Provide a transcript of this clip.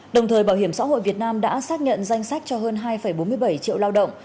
đồng thời bảo hiểm xã hội việt nam đã xác nhận danh sách cho hơn hai bốn mươi bảy triệu lao động